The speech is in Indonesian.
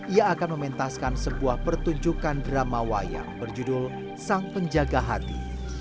ia akan mementaskan sebuah pertunjukan drama wayang berjudul sang penjaga hati